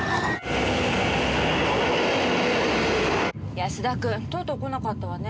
安田君とうとう来なかったわね。